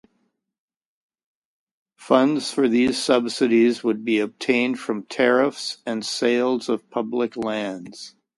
Funds for these subsidies would be obtained from tariffs and sales of public lands.